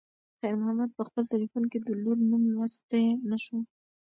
خیر محمد په خپل تلیفون کې د لور نوم لوستی نه شو.